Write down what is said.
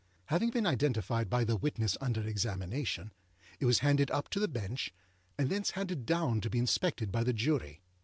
Having been identified by the witness under examination, it was handed up to the Bench, and thence handed down to be inspected by the Jury.